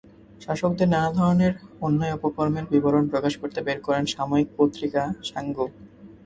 শাসকদের নানা ধরনের অন্যায়-অপকর্মের বিবরণ প্রকাশ করতে বের করেন সাময়িক পত্রিকা সাংগু।